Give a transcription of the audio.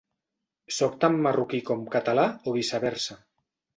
Sóc tan marroquí com català o viceversa.